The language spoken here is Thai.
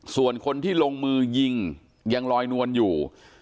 ส่วนคนที่ลงมือยิงยังลอยนวลอยู่